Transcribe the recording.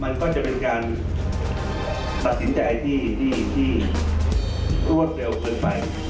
มันก็จะเป็นการตัดสินใจที่รวดเร็วเกินไป